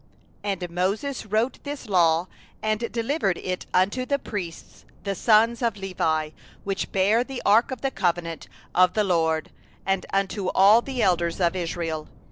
9And Moses wrote this law, and delivered it unto the priests the sons of Levi, that bore the ark of the covenant of the LORD, and unto all the elders of Israel.